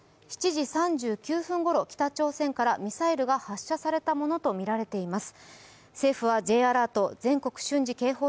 ７時３９分ごろ北朝鮮からミサイルが発射されたものとみられています。